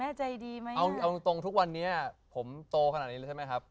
ใจดีไหมเอาเอาตรงตรงทุกวันนี้ผมโตขนาดนี้แล้วใช่ไหมครับ